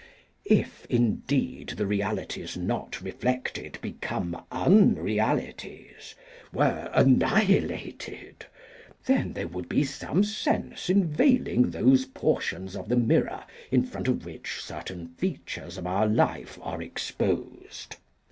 If, indeed, the realities not reflected became unrealities, were annihilated, then there would be some sense in veiling those portions of the mirror in front of which certain features of our life are exposed.